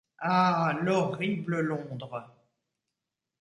Ah ! l’horrible Londres !